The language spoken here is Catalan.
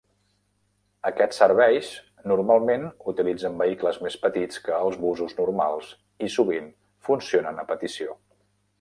Aquests serveis normalment utilitzen vehicles més petits que els busos normals i sovint funcionen a petició.